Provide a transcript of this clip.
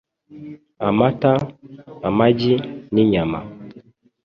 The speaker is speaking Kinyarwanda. amata , amagi n’inyama